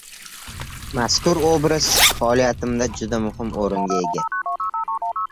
Mazkur obraz faoliyatimda juda muhim o‘ringa ega.